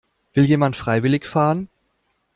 Will jemand freiwillig fahren?